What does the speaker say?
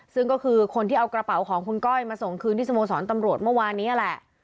ซึ่งก็คือคนที่เอากระเป๋าของคุณก้อยมาส่งคืนที่สโมสรตำรวจเมื่อวานนี้แหละ